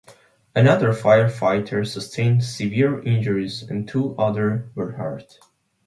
Another firefighter sustained severe injuries, and two others were hurt.